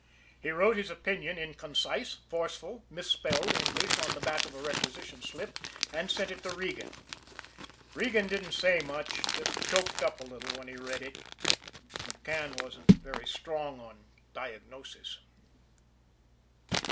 He wrote his opinion in concise, forceful, misspelled English on the back of a requisition slip, and sent it to Regan. Regan didn't say much just choked up a little when he read it. McCann wasn't strong on diagnosis.